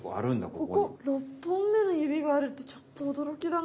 ここ６本目のゆびがあるってちょっとおどろきだな。